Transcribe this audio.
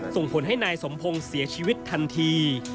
ส่งผลให้นายสมพงศ์เสียชีวิตทันที